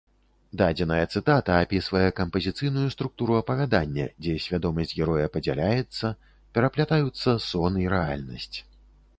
Дадзеная цытата апісвае кампазіцыйную структуру апавядання, дзе свядомасць героя падзяляецца, пераплятаюцца сон і рэальнасць.